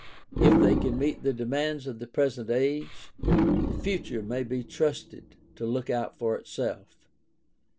If they can meet the demands of the present age, the future may be trusted to look out for itself.